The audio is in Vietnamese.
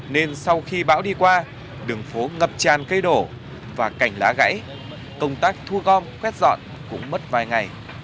nên sau khi bão đi qua đường phố ngập tràn cây đổ và cảnh lá gãy công tác thu gom quét dọn cũng mất vài ngày